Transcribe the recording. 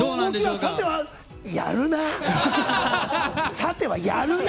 さてはやるな？